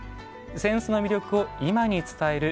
「扇子の魅力を今に伝える」。